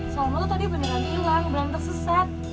salma tuh tadi beneran ilang beneran tersesat